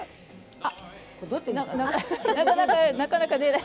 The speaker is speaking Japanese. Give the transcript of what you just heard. あなかなかなかなか出ない。